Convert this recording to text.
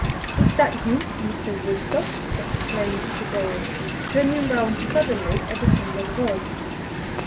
"Is that you, Mr. Woodstock?" exclaimed the boy, turning round suddenly at the sound of the voice.